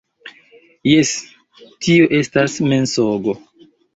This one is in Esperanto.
- Jes, - Tio estas mensogo.